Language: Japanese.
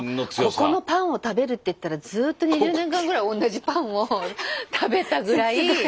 もうここのパンを食べるって言ったらずっと２０年間ぐらい同じパンを食べたぐらい。